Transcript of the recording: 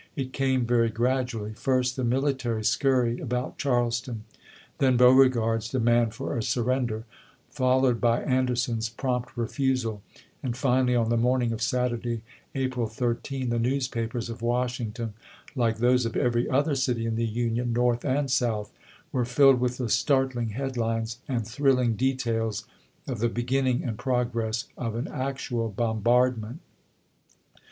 It came very gradu ally— first the military scurry about Charleston; 70 ABRAHAM LINCOLN Chap. IV. then Beauregard's demand for a surrender, followed by Anderson's prompt refusal ; and finally, on the morning of Saturday, April 13, the newspapers of Washington, like those of every other city in the Union, North and South, were filled with the start ling head lines and thrilling details of the begin ning and progress of an actual bombardment.